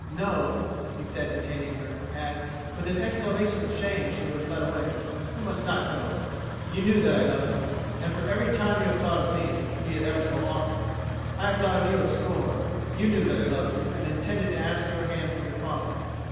No," he said, detaining her, as, with an exclamation of shame, she would have fled away, "you must not go. You knew that I loved you, and for every time you have thought of me, be it ever so often, I have thought of you a score. You knew that I loved you and intended to ask your hand from your father.